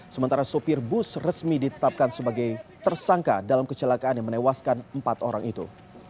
sementara sopir bus resmi ditetapkan sebagai tersangka dalam kecelakaan yang menewaskan empat orang itu